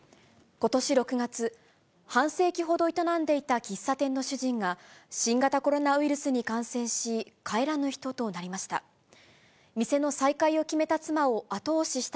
ことし６月、半世紀ほど営んでいた喫茶店の主人が、新型コロナウイルスに感染し、帰らぬ人となりました。